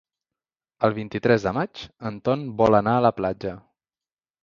El vint-i-tres de maig en Ton vol anar a la platja.